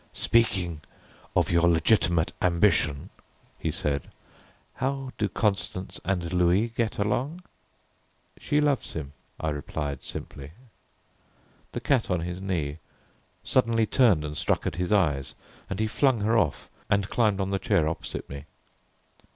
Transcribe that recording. "Speaking of your legitimate ambition," he said, "how do Constance and Louis get along?" "She loves him," I replied simply. The cat on his knee suddenly turned and struck at his eyes, and he flung her off and climbed on to the chair opposite me.